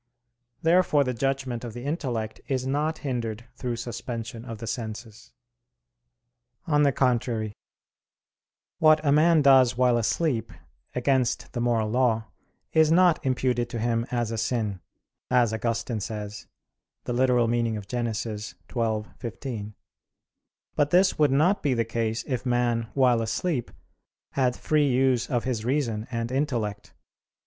Therefore the judgment of the intellect is not hindered through suspension of the senses. On the contrary, What a man does while asleep, against the moral law, is not imputed to him as a sin; as Augustine says (Gen. ad lit. xii, 15). But this would not be the case if man, while asleep, had free use of his reason and intellect.